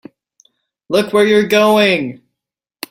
Look where you're going!